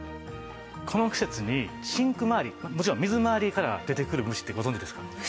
この季節にシンクまわり水まわりから出てくる虫ってご存じですか？